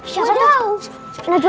siapa tuh najwa